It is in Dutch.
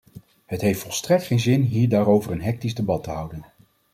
Het heeft volstrekt geen zin hier daarover een hectisch debat te houden.